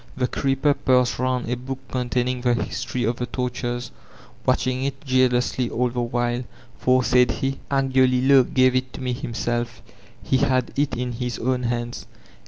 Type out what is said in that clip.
The creeper passed round a book containing the history of the tortures, watching k jealously all the while, for said he, ''Angiolillo gave it to me hhnsdf ; he had it in his own hands.